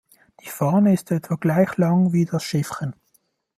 Die Fahne ist etwa gleich lang wie das Schiffchen.